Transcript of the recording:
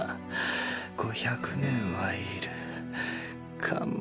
５００年はいるかも。